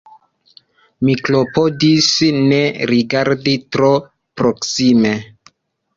Mi klopodis ne rigardi tro proksime.